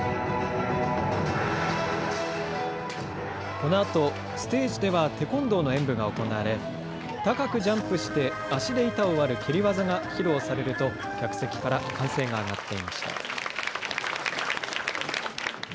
このあとステージでは、テコンドーの演武が行われ高くジャンプして足で板を割る蹴り技が披露されると客席から歓声が上がっていました。